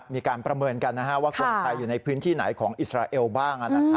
มีการประเมินกันว่าคนไทยอยู่ในพื้นที่ไหนของอิสราเอลบ้าง